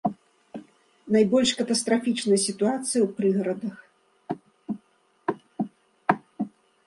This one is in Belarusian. Найбольш катастрафічная сітуацыя ў прыгарадах.